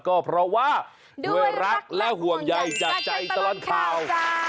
ก็เพราะว่าด้วยรักและห่วงใยจากใจตลอดข่าว